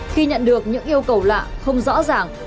khi nhận được những yêu cầu lạ không rõ ràng